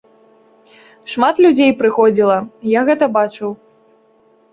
Шмат людзей прыходзіла, я гэта бачыў.